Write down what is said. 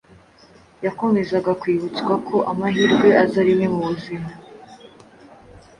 Yakomezaga kwibutswa ko amahirwe aza rimwe mu buzima,